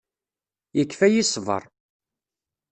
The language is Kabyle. Yekfa-yi ṣṣber.